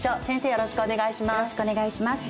よろしくお願いします。